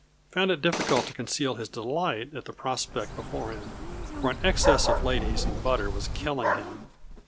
found it difficult to conceal his delight at the prospect before him, for an excess of ladies and butter was killing him.